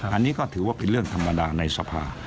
อันนี้ก็ถือว่าเป็นเรื่องธรรมดาในสภา